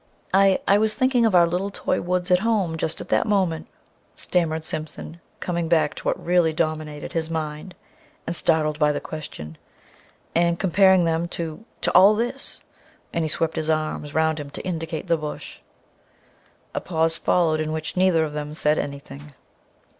"I I was thinking of our little toy woods at home, just at that moment," stammered Simpson, coming back to what really dominated his mind, and startled by the question, "and comparing them to to all this," and he swept his arm round to indicate the Bush. A pause followed in which neither of them said anything.